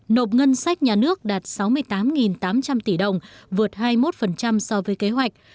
nộp ngân sách nhà nước đạt sáu mươi tám tám trăm linh tỷ đồng vượt hai mươi một so với kế hoạch